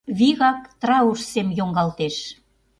Вигак траур сем йоҥгалтеш.